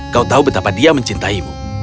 kau tahu betapa dia mencintaimu